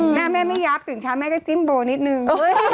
หน้าแม่ไม่ยับตื่นเช้าแม่ได้จิ้มโบนิดนึง